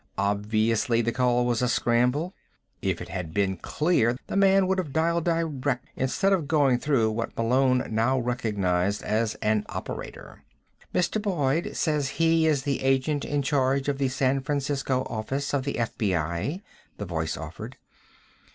Obviously the call was a scramble. If it had been clear, the man would have dialed direct, instead of going through what Malone now recognized as an operator. "Mr. Boyd says he is the Agent in Charge of the San Francisco office of the FBI," the voice offered.